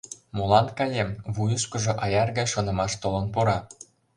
Молан каем? — вуйышкыжо аяр гай шонымаш толын пура.